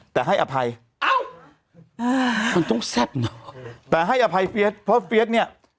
แต่ให้อภัยเอ้ามันต้องแซ่บเนอะแต่ให้อภัยเฟียสเพราะเฟียสเนี่ย